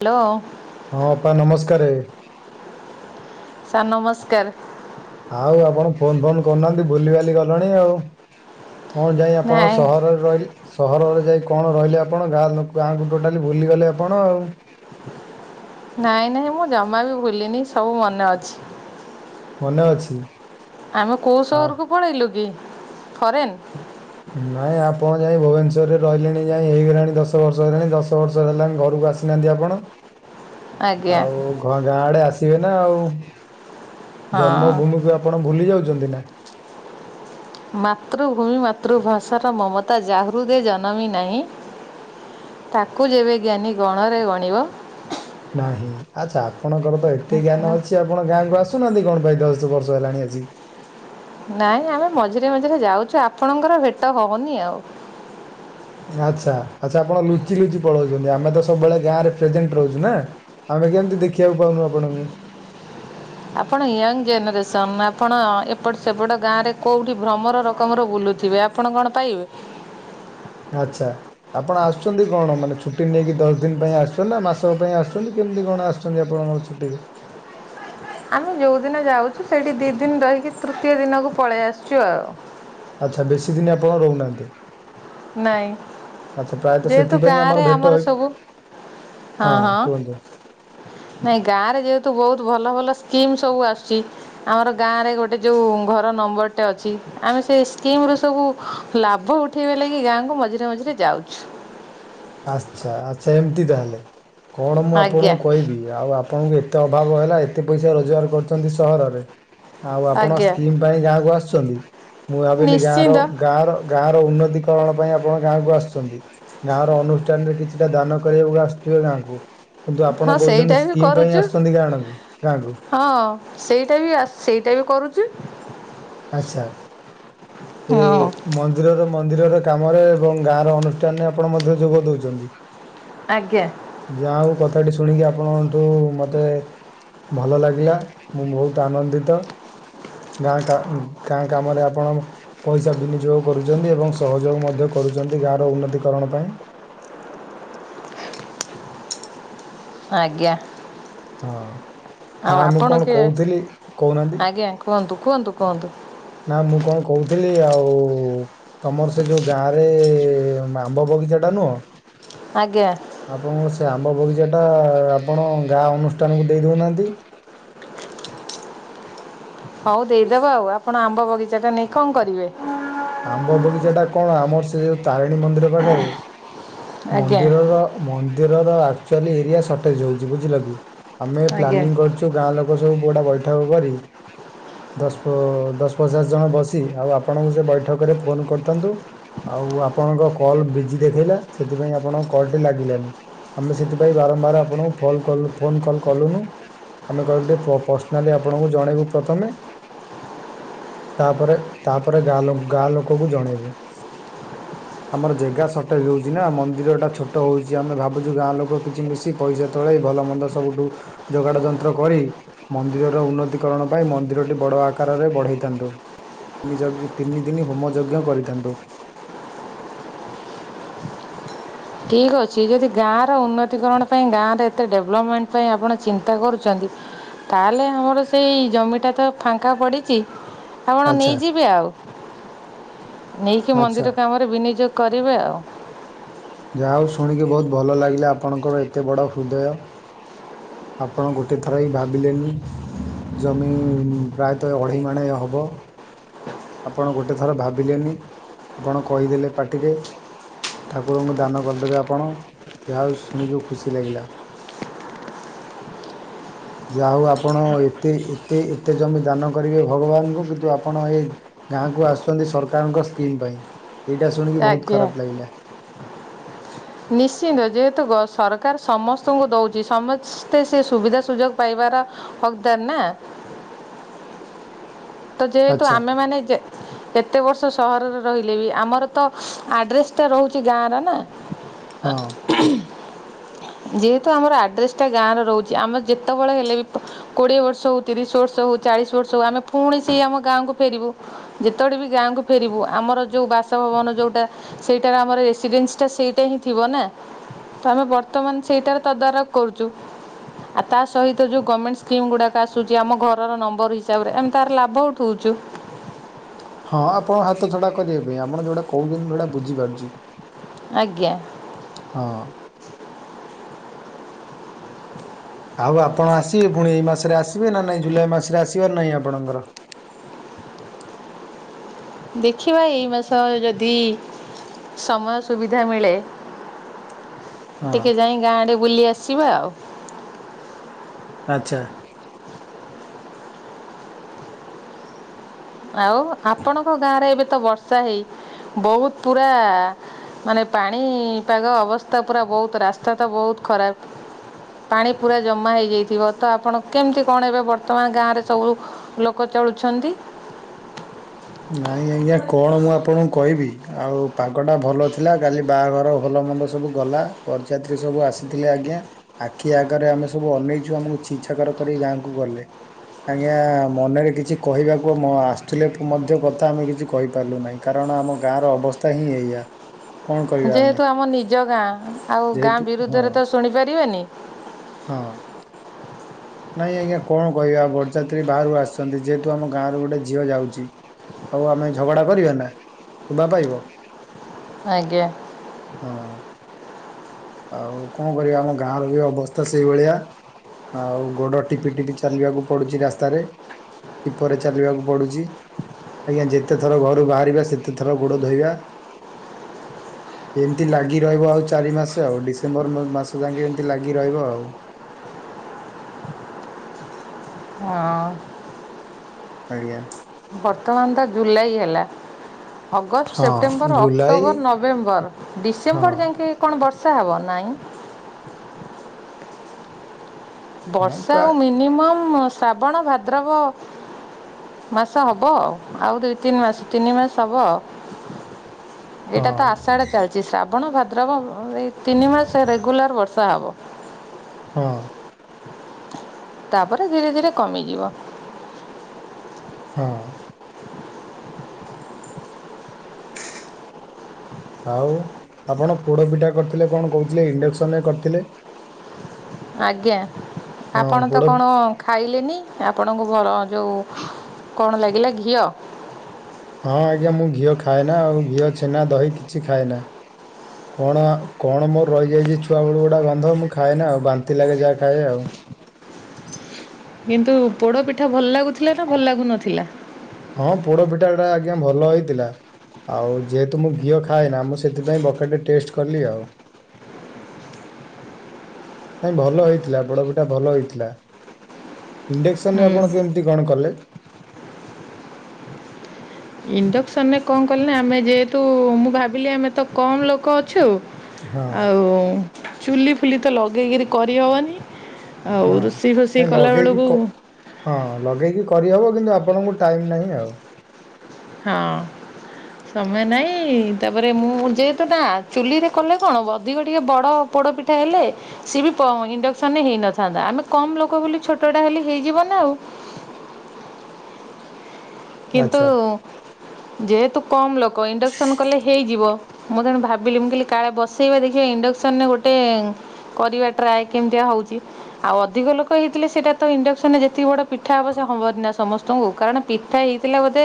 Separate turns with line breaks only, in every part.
Hello
ହଁ ଅପା ନମସ୍କାରେ।
ସାର୍ ନମସ୍କାର।
ଆଉ ଆପଣ ଫୋନ ଫୋନ କରୁନାହାନ୍ତି ବୁଲିିବାଲି ଗଲେଣି ଆଉ। କଣ ଯାଇ ଆପଣ
ନାଇଁ
ସହରରେ ରହି ସହରରେ ଯାଇ କଣ ରହିଲେ ଆପଣ ଗାଁଲୋକ ଗାଁକୁ ଟୋଟାଲି ଭୁଲିଗଲେ ଆପଣ ଆଉ।
ନାଇଁ ନାଇଁ ମୁଁ ଜମା ବି ଭୁଲିନି ସବୁ ମନେ ଅଛି।
ମନେ ଅଛି?
ଆମେ କୋଉ
ଆ
ସହରକୁ ପଳେଇଲୁ କି ଫରେନ୍?
ନାଇଁ ଆପଣ ଯାଇ ଭୁବନେଶ୍ୱରରେ ରହିଲେଣି ଯାଇ ହେଇଗଲାଣି ଦଶ ବର୍ଷ ହେଲାଣି ଦଶ ବର୍ଷ ହେଲାଣି ଘରକୁ ଆସି ନାହାନ୍ତି ଆପଣ।
ହଁ
ଆଉ ଗାଁ ଆଡେ ଆସିବେ ନା ଆଉ
ହଁ
ଜନ୍ମଭୂମିକୁ ଆ ଆପଣ ଭୁଲି ଯାଉଛନ୍ତି ନା।
ମାତୃଭୂମି ମାତୃଭାଷାର ମମତା ଜାହୃଦେ ଜନମୀ ନାହିଁ ତାକୁ ଯେବେ ଜ୍ଞାନୀ ଗଣରେ ଗଣିବ
ନାହିଁ ଆଚ୍ଛା ଆପଣଙ୍କର ତ ଏତେ ଜ୍ଞାନ ଅଛି ଆ ଆପଣ ଗାଁକୁ ଆସୁନାହାନ୍ତି କଣ ପାଇଁ ଦଶ ବର୍ଷ ହେଲାଣି ଆଜି?
ନାଇଁ ଆମେ ମଝିରେ ମଝିରେ ଯାଉଛୁ ଆପଣଙ୍କର ଭେଟ ହବନି ଆଉ।
ଆଚ୍ଛା ଆଚ୍ଛା ଆପଣ ଲୁଚି ଲୁଚି ପଳଉଛନ୍ତି ଆମେ ତ ସବୁବେଳେ ଗାଁ ରେ ପ୍ରେଜେଣ୍ଟ ରହୁଛୁ ନା। ଆମେ କେମତି ଦେଖିବାକୁ ପାଉନୁ ଆପଣଙ୍କୁ?
ଆପଣ ୟଙ୍ଗ୍ ଜେନରେସନ୍ ଆପଣ ଏପଟ ସେପଟ ଗାଁରେ କୋଉଠି ଭ୍ରମର ରକମର ବୁଲୁଥିବେ। ଆ ଆପଣ କଣ ପାଇବେ?
ଆଚ୍ଛା। ଆପଣ ଆସୁଛନ୍ତି କଣ ମାନେ ଛୁଟି ନେଇକି ଦଶ ଦିନ ପାଇଁ ଆସୁଛନ୍ତି ନା ମାସକ ପାଇଁ ଆସୁଛନ୍ତି କେମତି କଣ ଆସ ସୁଛନ୍ତି ଆପଣମାନଙ୍କ ଛୁଟିରେ?
ଆମେ ଯୋଉଦିନ ଯାଉଛୁ ସେଇଠି ଦି ଦିନ ରହିକି ତୃତୀୟ ଦିନକୁ ପଳେଇ ଆସଛୁ ଆଉ।
ଆଚ୍ଛା ବେଶୀ ଦିନ ଆପଣ ରହୁନାହାନ୍ତି?
ନାଇଁ
ଆଚ୍ଛା ପ୍ରାୟତ
ଯେହେତୁ
ସେଥିପାଇଁ
ଗାଁରେ
ଆମର ଭେଟ ହେଇ
ସବୁ
ହଁ କୁହନ୍ତୁ।
ନାଇଁ ଗାଁ ରେ ଯେହେତୁ ବହୁତ ଭଲ ଭଲ ସ୍କିମ୍ ସବୁ ଆସୁଛି। ଆମର ଗାଁରେ ଗୋଟେ ଯେଉ ଘର ନମ୍ବର୍ ଟେ ଅଛି ଆମେ ସେ ସ୍କିମ୍ ରୁ ସବୁ ଲାଭ ଉଠେଇବା ଲାଗି ଗାଁକୁ ମଝିରେ ମଝିରେ ଯାଉଛୁ।
ଆଚ୍ଛା ଆଚ୍ଛା ଏମତି ତାହେଲେ କଣ ମୁଁ
ଆଜ୍ଞା
ଆପଣଙ୍କୁ କହିବି। ଆଉ ଆ ଆପଣଙ୍କୁ ଏତେ ଅଭାବ ହେଲା ଏତେ ପଇସା ରୋଜଗାର କରୁଛନ୍ତି ସହରରେ। ଆଉ ଆପଣ
ଆଜ୍ଞା
ସ୍କିମ୍ ପାଇଁ ଗାଁକୁ ଆସୁଛନ୍ତି। ମୁଁ ଭାବିଲି ଗାଁ ର
ନିଶ୍ଚିନ୍ତ
ଗାଁ ର ଗାଁ ର ଉନ୍ନତିକରଣ ପାଇଁ ଆପଣ ଗାଁକୁ ଆସୁଛନ୍ତି। ଗାଁର ଅନୁଷ୍ଠାନରେ କିଛିଟା ଦାନ କରିବାକୁ ଆସୁଥିବେ ଗାଁକୁ। କିନ୍ତୁ
ହଁ
ଆପଣ
ସେଇଟା
କହୁଛନ୍ତି
ବି
ସ୍କିମ୍ ପାଇଁ
କରୁଛୁ।
ଆସୁଛନ୍ତି ଗାଁଣ କୁ ଗାଁକୁ।
ହଁ ସେଇଟା ବି ଆ, ସେଇଟା ବି କରୁଛି।
ଆଚ୍ଛା ଏ,
ହଁ
ମନ୍ ନ୍ଦିରର ମନ୍ଦିରର କାମରେ ଏବଂ ଗାଁ ର ଅନୁଷ୍ଠାନରେ ଆପଣ ମଧ୍ୟ ଯୋଗ ଦଉଚନ୍ତି।
ଆଜ୍ଞା।
ଯା ହଉ କଥାଟି ଶୁଣିକି ଆପଣଙ୍କଠୁ ମୋତେ ଭଲ ଲାଗିଲା। ମୁଁ ବହୁତ ଆନନ୍ଦିତ। ଗାଁ ଟା ଗାଁ କାମରେ ଆପଣ ପଇସା ବିନିଯୋଗ କରୁଛନ୍ତି ଏବଂ ସହଯୋଗ ମଧ୍ୟ କରୁଛନ୍ତି ଗାଁର ଉନ୍ନତିକରଣ ପାଇଁ।
ଆଜ୍ଞା।
ହଁ,
ଆଉ
ନା ମୁଁ
ଆପଣ
କଣ
କିଏ
କହୁଥିଲି, କହୁନାହାନ୍ତି।
ଆଜ୍ଞା କୁହନ୍ତୁ, କୁହନ୍ତୁ, କୁହନ୍ତୁ।
ନା ମୁଁ କଣ କହୁଥିଲି ଆଉ ତୋମର ସେ ଯୋଉ ଗାଁ ରେ ଆମ୍ବ ବଗିଚା ଟା ନୁହଁ।
ଆଜ୍ଞା।
ଆପଣଙ୍କ ସେ ଆମ୍ବ ବଗିଚାଟା ଆପଣ ଗାଁ ଅନୁଷ୍ଠାନକୁ ଦେଇ ଦେଉନାହାଁନ୍ତି?
ହଉ ଦେଇଦବା ଆଉ। ଆପଣ ଆମ୍ବ ବଗିଚା ଟା ନେଇ କଣ କରିବେ?
ଆମ୍ବ ବଗିଚା ଟା କଣ ଆମର ସେ ଯୋଉ ତାରିଣୀ ମନ୍ଦିର ପାଖରେ
ଆଜ୍ଞା
ମନ୍ଦିରର ମନ୍ଦିରରଚୁ ଏରିଆ ସଟେଜ୍ ହଉଛି ବୁଝିଲ କି। ଆମେ
ଆଜ୍ଞା
ପ୍ଲାନିଂ କରିଛୁ ଛୁ ଗାଁ ଲୋକ ସବୁ [unintelligible] ବୈଠକ କରି। ଦଶ ପ-ଦଶ ପଚାଶ ଜଣ ବସି ଆଉ ଆପଣଙ୍କୁ ସେ ବୈଠକରେ ଫୋନ୍ କରିଥାନ୍ତୁ। ଆଉ ଆପଣଙ୍କ କଲ୍ ବିଜି ଦେଖେଇଲା ସେଥିପାଇଁ ଆପଣଙ୍କ କଲ୍ ଟି ଲାଗିଲାନି। ଆମେ ସେଥିପାଇଁ ବାରମ୍ବାର ଆପଣଙ୍କୁ ଫୋଲ୍ କଲୁ ଫୋନ୍ କଲ୍ କଲୁନୁ। ଆମେ କହିଲୁ ଟିକେ ପ-ପର୍ସନାଲି ଆପଣଙ୍କୁ ଜଣେଇବୁ ପ୍ରଥମେ। ତାପରେ ତାପରେ ଗାଁ ଲୋ-ଗାଁ ଲୋକକୁ ଜଣେଇବୁ।
ହ
ଆମର ଜେଗା ସଟେଜ୍ ହଉଛି ନା, ମନ୍ଦିର ଟା ଛୋଟ ହଉଛି। ଆମେ ଭାବୁଛୁ ଗାଁ ଲୋକ କିଛି ମିଶି ପଇସା ତଳେଇ ଭଲ ମନ୍ଦ ସବୁଠୁ ଯୋଗାଡ ଯନ୍ତ୍ର କରି ମନ୍ଦିରର ଉନ୍ନତିକରଣ ପାଇଁ ମନ୍ଦିରଟି ବଡ ଆକାରରେ ବଢେଇଥାନ୍ତୁ ନିଜ ତିନି ତିିନି ଦିନ ହୋମ ଯଜ୍ଞ କରିଥାନ୍ତୁ।
ଠିକ୍ ଅଛି ଯଦି ଗାଁର ଉନ୍ନତିକରଣ ପାଇଁ ଗାଁର ଏତେ ଡେଭଲପମେଣ୍ଟ ପାଇଁ ଆପଣ ଚିନ୍ତା କରୁଛନ୍ତି। ତାହେଲେ ଆମର ସେଇ ଜମିଟା ତ ଫାଙ୍କା ପଡ଼ିଛି ଆପଣ
ଆଚ୍ଛା
ନେଇଯିବେ ଆଉ। ନେଇକି
ଆଚ୍ଛା
ମନ୍ଦିର କାମରେ ବିନିଯୋଗ କରିବେ ଆଉ।
ଯାହା ହଉ ଶୁଣିକି ବହୁତ୍ ଭଲ ଲାଗିଲା ଆପଣଙ୍କର ଏତେ ବଡ଼ ହୃଦୟ। ଆପଣ ଗୋଟିଏ ଥର ହିଁ ଭାବିଲେନି ଜମି ପ୍ରାୟତଃ ଅଢ଼େଇ ମାଣେ ହେବ ଆପଣ ଗୋଟେ ଥର ଭାବିଲେନି ଆପଣ କହିଦେଲେ ପାଟିରେ ଠାକୁରଙ୍କୁ ଦାନ କରିଦେବେ ଆପଣ ଯାହା ହଉ ଶୁଣିକି ଖୁସି ଲାଗିଲା। ଯାହା ହେଉ ଆପଣ ଏତେ ଏତେ ଏତେ ଜମି ଦାନ କରିବେ ଭଗବାନଙ୍କୁ କିନ୍ତୁ ଆପଣ ଏ ଗାଁକୁ ଆସୁଛନ୍ତି ସରକାରଙ୍କ ସ୍କିମ୍ ପାଇଁ ଏଇଟା ଶୁଣିକି ବହୁତ୍
ଆଜ୍ଞା
ଖରାପ ଲାଗିଲା।
ନିଶ୍ଚିନ୍ତ ଯେହେତୁ ସରକାର ସମସ୍ତଙ୍କୁ ଦେଉଛି ସମ ସ୍ତେ ସେ ସୁବିଧା ସୁଯୋଗ ପାଇବାର ହକଦାର ନାଁ। ତ ଯେହେତୁ
ଆଚ୍ଛା
ଆମେ ମାନେ ଯେ କେତେ ବର୍ଷ ସହରରେ ରହିଲେ ବି ଆମର ତ ଆଡ୍ରେସ ଟା ରହୁଛି ଗାଁ ର ନା।
ହଁ
ଯେହେତୁ ଆମର ଆଡ୍ରେସଟା ଗାଁରେ ରହୁଛି ଆମର ଯେତେବେଳେ ହେଲେ ବି କୋଡିଏ ବର୍ଷ ହଉ ତିରିଶ ବର୍ଷ ହଉ ଚାଳିଶ ବର୍ଷ ହଉ ଆମେ ପୁଣି ସେଇ ଆମ ଗାଁକୁ ଫେରିବୁ। ଯେତେବେ ବି ଗାଁକୁ ଫେରିବୁ ଆମର ଯୋଉ ବାସଭବନ ଯୋଉଟା ସେଇଟାର ଆମର ରେସିଡେନ୍ସଟା ସେଇଟା ହିଁ ଥିବ ନା। ତ ଆମେ ବର୍ତ୍ତମାନ ସେଇଟାରେ ତଦାରଖ କରୁଛୁ। ଆଉ ତା ସହିତ ଯେଉଁ ଗମେଣ୍ଟ ସ୍କିମ୍ ଗୁଡ଼ାକ ଆସୁଛି ଆମ ଘରର ନମ୍ବର ହିସାବରେ ଏମିତି ତାର ଲାଭ ଉଠଉଛୁ।
ହଁ ଆପଣ ହାତ ଛଡ଼ା କରିବା ପାଇଁ ଆପଣ ଯେଉଁଟା କହୁଛନ୍ତି ମୁଁ ସେଟା ବୁଝିପାରୁଛି।
ଆଜ୍ଞା।
ହଁ। ଆଉ ଆପଣ ଆସିବେ ପୁଣି ଏଇ ମାସରେ ଆସିବେ ନା ନାହିଁ ଜୁଲାଇ ମାସରେ ଆସିବାର ନାହିଁ ଆପଣଙ୍କର?
ଦେଖିବା ଏଇ ମାସ ଯଦି ସମୟ ସୁବିଧା ମିଳେ
ହଁ
ଟିକେ ଯାଇ ଗାଁ ଆଡେ ବୁଲି ଆସିବା ଆଉ।
ଆଚ୍ଛା।
ଆଉ ଆପଣଙ୍କ ଗାଁ ରେ ଏବେ ତ ବର୍ଷା ହେଇ ବହୁତ ପୁରା ମାନେ ପାଣିପାଗ ଅବସ୍ଥା ପୁରା ବହୁତ୍ ରାସ୍ତା ତ ବହୁତ୍ ଖରାପ ପାଣି ପୁରା ଜମା ହେଇଯାଇଥିବ ତ ଆପଣ କେମିତି କଣ ଏବେ ବର୍ତ୍ତମାନ ଗାଁ ରେ ସବୁ ଲୋକ ଚଳୁଛନ୍ତି?
ନାଇଁ ଆଜ୍ଞା କଣ ମୁଁ ଆପଣଙ୍କୁ କହିବି ଆଉ ପାଗଟା ଭଲ ଥିଲା କାଲି ବାହାଘର ଭଲ ମନ୍ଦ ସବ୍ ସବୁ ଗଲା ବରଯାତ୍ରୀ ସବୁ ଆସିଥିଲେ ଆଜ୍ଞା। ଆଖି ଆଗରେ ଆମେ ସବୁ ଅନେଇଛୁ ଆମକୁ ଛି ଛାକର କରିକି ଗାଁକୁ ଗଲେ। ଆଜ୍ଞା ମନରେ କିଛି କହିବାକୁ ମ ଆସୁଥିଲେ ମଧ୍ୟ କଥା ଆମେ କିଛି କହିପାରିଲୁ ନାହିଁ କାରଣ ଆମ ଗାଁର ଅବସ୍ଥା ହିଁ ଏଇଆ। କଣ କରିବା ଆମେ
ଯେହେତୁ ଆମ ନିଜ ଗାଁ ଆଉ ଗାଁ
ଯେହେତୁ ହଁ।
ବିରୁଦ୍ଧରେ ତ ଶୁଣିପାରିବାନି।
ହଁ। ନାଇଁ ଆଜ୍ଞା କଣ କହିବା ବରଯାତ୍ରୀ ବାହାରୁ ଆସିଛନ୍ତି ଯେହେତୁ ଆମ ଗାଁ ରୁ ଗୋଟେ ଝିଅ ଯାଉଛି। ଆଉ ଆମେ ଝଗଡ଼ା କରିବା ନା ଶୋଭା ପାଇବ।
ଆଜ୍ଞା।
ହଁ। ଆଉ କଣ କରିବା ଆମ ଗାଁର ବି ଅବସ୍ଥା ସେଇଭଳିଆ। ଆଉ ଗୋଡ଼ ଟିପି ଟିପି ଚାଲିବାକୁ ପଡ଼ୁଛି ରାସ୍ତାରେ। ଟିପରେ ଚାଲିବାକୁ ପଡ଼ୁଛି। ଆଜ୍ଞା ଯେତେ ଥର ଘରୁ ବାହାରିବା ସେତେ ଥର ଗୋଡ଼ ଧୋଇବା। ଏମିତି ଲାଗି ରହିବ ଆଉ ଚାରି ମାସ ସେ ଆଉ ଡିସେମ୍ବର ମ୍ ମାସ ଯାକେ ଏମିତି ଲାଗି ରହିବ ଆଉ।
ହଁ।
ଆଜ୍ଞା।
ବର୍ତ୍ତମାନ ତ ଜୁଲାଇ ହେଲା। ଅଗଷ୍ଟ,
ହଁ
ସେପ୍ଟେମ୍ବର,
ଜୁଲାଇ
ଅକ୍ଟୋବର, ନଭେମ୍ବର,
ହଁ
ଡିସେମ୍ବର ଯାଇକି କଣ ବର୍ଷା ହେବ ନାହିଁ?
ହଁ
ବର୍ଷା ଆଉ
ପ୍ରାୟ
ମିନିମମ୍ ଶ୍ରାବଣ, ଭାଦ୍ରବ ମାସ ହବ ଆଉ ଦୁଇ ତିନି ମାସ ତିନି ମାସ ହବ ଆଉ।
ହଁ
ଏଇଟା ତ ଆଶାଢ ଚାଲିଛି ଶ୍ରାବଣ ଭାଦ୍ରବ ବ ଏଇ ତିନି ମାସ ରେଗୁଲାର ବର୍ଷା ହବ।
ହଁ।
ତାପରେ ଧୀରେ ଧୀରେ କମିଯିବ।
ହଁ। ଆଉ ଆପଣ ପୋଡ଼ ପିଠା କରିଥିଲେ କଣ କହୁଥିଲେ ଇଣ୍ଡକ୍ସନରେ କରିଥିଲେ?
ଆଜ୍ଞା
ହଁ
ଆପଣ ତ
ପୋଡ଼
କଣ ଖାଇଲେନି ଆପଣଙ୍କୁ ଭ ଯୋଉ କଣ ଲାଗିଲା ଘିଅ?
ହଁ ଆଜ୍ଞା ମୁଁ ଘିଅ ଖାଏନା ଆଉ ଘିଅ ଛେନା ଦହି କିଛି ଖାଏନା। କଣ କଣ ମୋର ରହିଯାଇଛି ଛୁଆବେଳୁ ଗୁଡ଼ା ଗନ୍ଧ ମୁଁ ଖାଏ ନା ଆଉ ବାନ୍ତି ଲାଗେ ଯାହା ଖାଏ ଆଉ।
କିନ୍ତୁ ପୋଡ଼ ପିଠା ଭଲ ଲାଗୁଥିଲା ନା ଭଲ ଲାଗୁନଥିଲା?
ହଁ ପୋଡ଼ପିଠା ଟା ଆଜ୍ଞା ଭଲ ହେଇଥିଲା। ଆଉ ଯେହେତୁ ମୁଁ ଘିଅ ଖାଏ ନା ମୁଁ ସେଥିପାଇଁ ବକଟେ ଟେଷ୍ଟ କଲି ଆଉ। ନାଇଁ ଭଲ ହେଇଥିଲା ପୋଡ଼ପିଠା ଭଲ ହେଇଥିଲା। ଇଣ୍ଡକ୍ସନରେ
ହୁଁ
ଆପଣ କେମିତି କଣ କଲେ?
ଇଣ୍ଡକ୍ସନରେ କଣ କଲି ନା ଆମେ ଯେହେତୁ ମୁଁ ଭାବିଲି ଆମେ ତ କମ୍ ଲୋକ ଅଛୁ
ହଁ
ଆଉ ଚୁଲି ଫୁଲି ତ ଲଗେଇକିରି କରିହବନି। ଆଉ
ହଁ।
ରୋଷେଇ ଫୋଷେଇ
ନାଇଁ ଲଗେଇକି
କଲାବେଳକୁ
କ ହଁ ଲଗେଇକି କରିହବ କିନ୍ତୁ ଆପଣଙ୍କୁ ଟାଇମ୍ ନାହିଁ ଆଉ।
ହଁ। ସମୟ ନାଇଁ ତାପରେ ମୁଁ ଯେହେତୁ ନା ଚୁଲିରେ କଲେ କଣ ଅଧିକ ଟିକେ ବଡ ପୋଡ ପିଠା ହେଲେ ସିଏ ବି ପ ଇଣ୍ଡକ୍ସନ ରେ ହେଇନଥାନ୍ତା, ଆମେ କମ ଲୋକ ବୋଲି ଛୋଟଟା ହେଲେ ହେଇଯିବ ନା ଆଉ। କିନ୍ତୁ
ଆଚ୍ଛା।
ଯେହେତୁ କମ୍ ଲୋକ ଇଣ୍ଡକ୍ସନ୍ କଲେ ହେଇଯିବ। ମୁଁ ତେଣୁ ଭାବିଲି ମୁଁ କହିଲି କାଳେ ବସେଇବା ଦେଖିବା ଇଣ୍ଡେକ୍ସନ୍ ରେ ଗୋଟେ କରିବା ଟ୍ରାଏ କେମିତିଆ ହଉଛି। ଆଉ ଅଧିକ ଲୋକ ହେଇଥିଲେ ସେଇଟା ତ ଇଣ୍ଡକ୍ସନ ରେ ଯେତିକି ବଡ ପିଠା ହବ ସେ ହବନି ନା ସମସ୍ତଙ୍କୁ। କାରଣ ପି ହେଇ ଥିଲା ବୋଧେ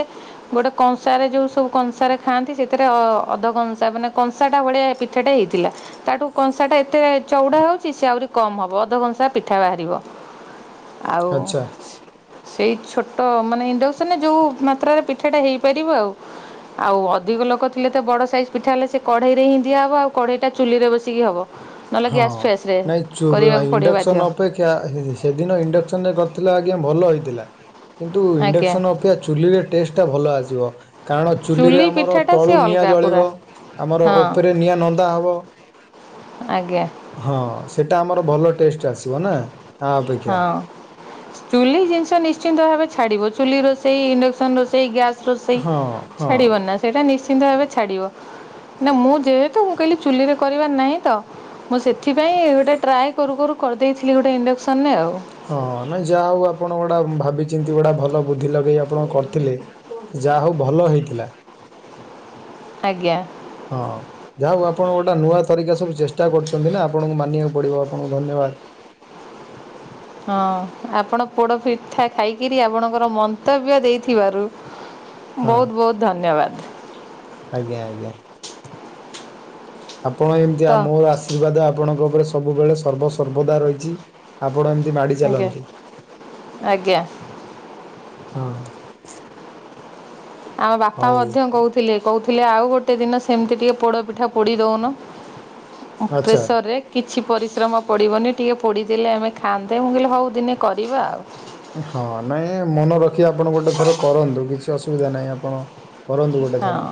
ଗୋଟେ କଂସାରେ ଯୋଉ ସବୁ କଂସାରେ ଖାଆନ୍ତି, ସେଥିରେ ଅ ଅଧ କଂସା ମାନେ କଂସା ଟା ଭଳିଆ ତଟା ହେଇଥିଲା। ତାଠୁ କଂସା ଟା ଏତେ ଚଉଡା ହଉଛି ସେ ଆହୁରି କମ ହବ ଅଧ କଂସା ପିଠା ବାହାରିବ। ଆଉ
ଆଚ୍ଛା
ସେଇ ଛୋଟ ମାନେ ଇଣ୍ଡୋ ଯୋଉ ମାତ୍ରାରେ ପିଠାଟା ହେଇପାରିବ ଆଉ। ଆଉ ଅଧିକ ଲୋକ ଥିଲେ ତ ବଡ ସାଇଜ୍ ପିଠା ହେଲେ ସେ କଢେଇ ରେ ହିଁ ଦିଆହେବ ଆଉ କଢେଇ ଟା ଚୁଲିରେ ବସିକି ହବ। ନହେଲେ
ହଁ
ଗ୍ୟାସ୍ ଫ୍ୟାସ୍ ରେ
ନାଇଁ ଚୁ
କରିବାକୁ ପଡ଼ିବ ବାଧ୍ୟ।
ଇଣ୍ଡକ୍ସନ ଅପେକ୍ଷା ଅକ୍ଷା ସେଦିନ ଇଣ୍ଡକ୍ସନ କରିଥିଲା ଆଜ୍ଞା ଭଲ ହେଇଥିଲା କିନ୍ତୁ
ଆଜ୍ଞା
ଇଣ୍ଡକ୍ସନ୍ ଅପେକ୍ଷା ଚୁଲିରେ ଟେଷ୍ଟ ଟା ଭଲ ଆସିବ। କାରଣ ଚୁଲିରେ
ଚୁଲି
ଆମର
ପିଠାଟା ସିଏ
ତଳୁ ନିଆଁ
ଅଲଗା ପୁରା
ଜଳିବ ଆମର
ହଁ
ଓପରେ ନିଆଁ ନନ୍ଦା ହେବ।
ଆଜ୍ଞା
ହଁ ସେଟା ଆମର ଭଲ ଟେଷ୍ଟ ଆସିବ ନା। ଆ ଅପେକ୍ଷା
ହଁ ଚୁଲି ଜିନିଷ ନିଶ୍ଚିନ୍ତ ଭାବେ ଛାଡିବ ଚୁଲି ରୋଷେଇ ଇଣ୍ଡକ୍ସନ ରୋଷେଇ ଗ୍ୟାସ ରୋଷେଇ
ହଁ ହଁ
ଛାଡିବ ନା ସେଇଟା ନିଶ୍ଚିନ୍ତ ଭାବେ ଛାଡିବ। ନା ମୁଁ ଯେହେତୁ ମୁଁ କହିଲି ଚୁଲିରେ କରିବାର ନାହିଁ ତ। ମୁଁ ସେଥିପାଇଁ ଗୋଟେ ଟ୍ରାଏ କରୁ କରୁ କରିଦେଇଥିଲି ଗୋଟେ ଇଣ୍ଡକ୍ସନରେ ଆଉ।
ହଁ ନାଇଁ ଯାହା ହଉ ଆପଣ ଗୋଟେ ଭାବିଚିନ୍ତି ଗୋଟେ ଭଲ ବୁଦ୍ଧି ଲଗେଇ ଆପଣ କରିଥିଲେ। ଯାହା ହଉ ଭଲ ହେଇଥିଲା।
ଆଜ୍ଞା
ହଁ ଯା ହଉ ଆପଣ ଗୋଟେ ନୂଆ ତରିକା ସବୁ ଚେଷ୍ଟା କରୁଛନ୍ତି ନା ଆପଣଙ୍କୁ ମାନିବାକୁ ପଡିବ ଆପଣଙ୍କୁ ଧନ୍ୟବାଦ।
ହଁ ଆପଣ ପୋଡ଼ପିଠା ଖାଇକିରି ଆପଣଙ୍କର ମନ୍ତବ୍ୟ ଦେଇଥିବାରୁ
ହଁ
ବହୁତ ବହୁତ ଧନ୍ୟବାଦ।
ଆଜ୍ଞା ଆଜ୍ଞା ଆପଣ ଏମିତି
ତ
ମୋର ଆଶୀର୍ବାଦ ଆପଣଙ୍କ ଉପରେ ସବୁବେଳେ ସର୍ବ ସର୍ବଦା ରହିଛି। ଆପଡ଼ ଏମିତି ମାଡି
ଆଜ୍ଞା
ଚାଲନ୍ତୁ।
ଆଜ୍ଞା
ହଁ
ଆମ ବାପା
ହଉ
ମଧ୍ୟ କହୁ ଥିଲେ କହୁଥିଲେ ଆଉ ଗୋଟେ ଦିନ ସେମିତି ଟିକେ ପୋଡ଼ପିଠା ପୋଡ଼ି ଦଉନ।
ଆଚ୍ଛା।
ପ୍ରେସରେ କିଛି ପରିଶ୍ରମ ପଡ଼ିବନି ଟିକେ ପୋଡ଼ିଦଲେ ଆମେ ଖାଆନ୍ତେ ମୁଁ କହିଲି ହଉ ଦିନେ କରିବା ଆଉ।
ହଁ ନାଇଁ ମନେ ରଖି ଆପଣ ଗୋଟେ ଥର କରନ୍ତୁ କିଛି ଅସୁବିଧା ନାହିଁ ଆପଣ କରନ୍ତୁ ଗୋଟେ
ହଁ
ଥର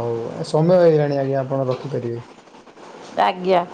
ହଉ ସମୟ ହେଇଗଲାଣି ଆଜ୍ଞା ଆପଣ ରଖିପାରିବେ।
ଆଜ୍ଞା